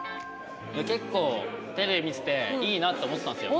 結構テレビ見てていいなって思ってたんですよ。